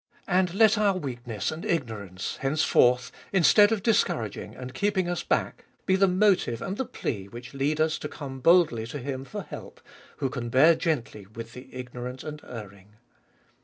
And let our weakness and ignorance henceforth, instead of discouraging and keeping us back, be the motive and the plea which lead us to come boldly to Him for help, who can bear gently with the ignorant and erring.